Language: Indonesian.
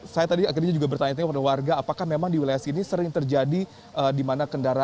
saya tadi akhirnya juga bertanya tanya kepada warga apakah memang di wilayah sini sering terjadi di mana kendaraan